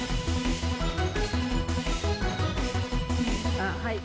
あっはい。